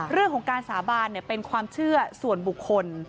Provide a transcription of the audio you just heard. เรื่องของการสาบานเป็นความเชื่อส่วนบุคคล